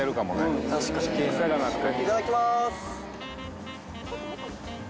いただきます。